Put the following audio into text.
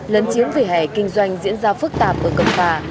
lấn chiếm vỉa hè kinh doanh diễn ra phức tạp ở cẩm phà